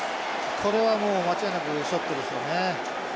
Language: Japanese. これはもう間違いなくショットですよね。